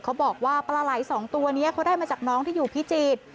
เขาบอกว่าปลาไหล่สองตัวนี้เขาได้มาจากน้องที่อยู่พิจิตร